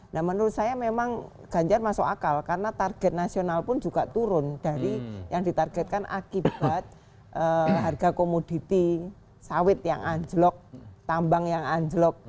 nah menurut saya memang ganjar masuk akal karena target nasional pun juga turun dari yang ditargetkan akibat harga komoditi sawit yang anjlok tambang yang anjlok